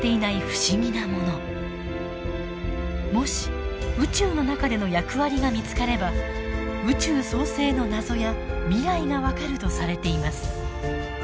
もし宇宙の中での役割が見つかれば宇宙創生の謎や未来が分かるとされています。